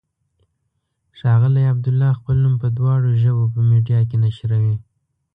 ښاغلی عبدالله خپل نوم په دواړو ژبو په میډیا کې نشروي.